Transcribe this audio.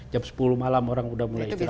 jam sepuluh malam orang udah mulai istirahat